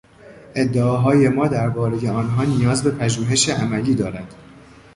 ادعاهای ما دربارهی آنها نیاز به پژوهش عملی دارد.